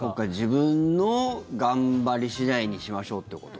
自分の頑張り次第にしましょうってこと？